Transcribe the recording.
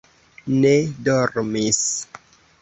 ne dormis.